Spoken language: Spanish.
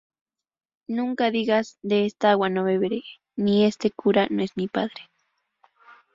Nunca digas 'De esta agua no beberé' ni este cura no es mi padre